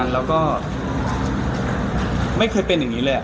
แล้วก็ไม่เคยเป็นอย่างนี้เลย